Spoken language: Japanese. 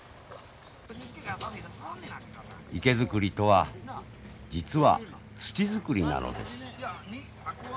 池作りとは実は土作りなのです。